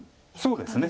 そうですね。